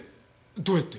どうやって？